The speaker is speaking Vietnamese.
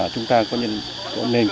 chúng ta có nên